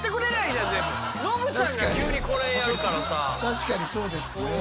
確かにそうですね。